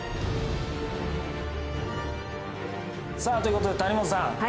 さあということで谷本さん。